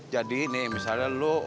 jadi nih misalnya lu